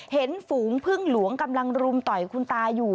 ฝูงพึ่งหลวงกำลังรุมต่อยคุณตาอยู่